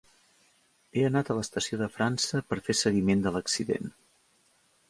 He anat a l’estació de França per fer seguiment de l’accident.